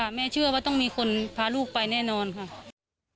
แม่เชื่อว่าต้องมีคนพาลูกไปแน่นอนค่ะ